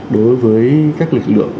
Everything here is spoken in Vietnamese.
đối với các lực lượng